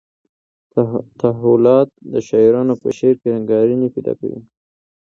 تحولات د شاعرانو په شعر کې رنګارنګي پیدا کوي.